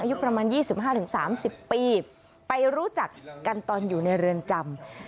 อายุประมาณ๒๕๓๐ปีไปรู้จักกันตอนอยู่ในเรือนจำ